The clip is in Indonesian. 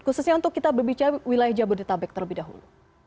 khususnya untuk kita berbicara wilayah jabodetabek terlebih dahulu